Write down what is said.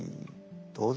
どうぞ。